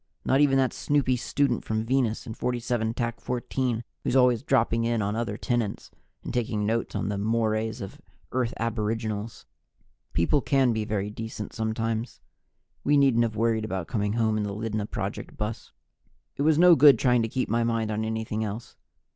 Not even that snoopy student from Venus in 47 14, who's always dropping in on other tenants and taking notes on "the mores of Earth Aboriginals." People can be very decent sometimes. We needn't have worried about coming home in the Lydna Project bus. It was no good trying to keep my mind on anything else.